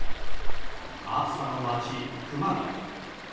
暑さの町、熊谷。